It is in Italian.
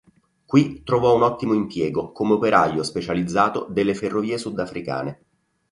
Qui trovò un ottimo impiego come operaio specializzato delle Ferrovie Sudafricane.